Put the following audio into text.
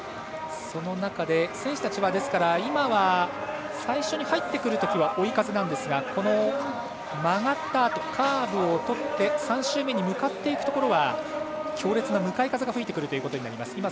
その中で、選手たちは最初に入ってくるときは追い風なんですがカーブを曲がって３周目に向かっていくところは強烈な向かい風が吹いてくることになります。